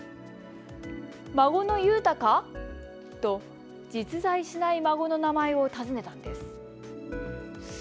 孫のユウタか？と、実在しない孫の名前を尋ねたんです。